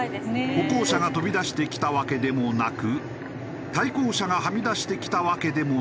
歩行者が飛び出してきたわけでもなく対向車がはみ出してきたわけでもないのに。